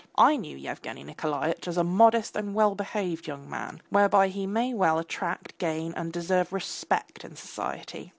I knew Yevgeny Nikolaitch as a modest and well behaved young man, whereby he may well attract, gain and deserve respect in society.